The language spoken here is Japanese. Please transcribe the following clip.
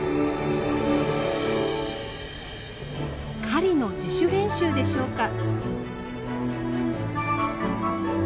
狩りの自主練習でしょうか？